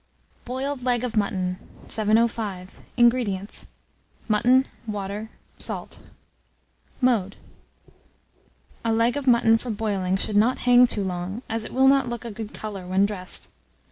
BOILED LEG OF MUTTON. 705. INGREDIENTS. Mutton, water, salt. Mode. A. leg of mutton for boiling should not hang too long, as it will not look a good colour when dressed.